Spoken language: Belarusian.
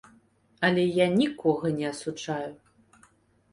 Але я нікога не асуджаю.